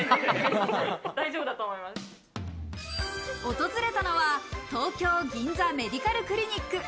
訪れたのは東京銀座メディカルクリニック。